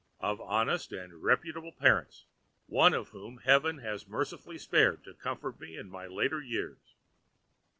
of honest and reputable parents, one of whom Heaven has mercifully spared to comfort me in my later years.